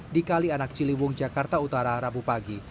di kali anak ciliwung jakarta utara rabu pagi